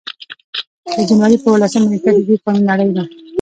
د جنورۍ پۀ اولسمه نېټه ددې فانې نړۍ نه